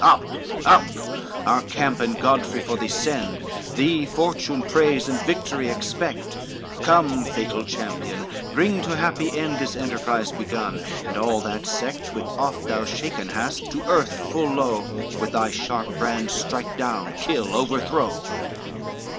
Up, up, our camp and Godfrey for thee send, Thee fortune, praise and victory expect, Come, fatal champion, bring to happy end This enterprise begun, all that sect Which oft thou shaken hast to earth full low With thy sharp brand strike down, kill, overthrow."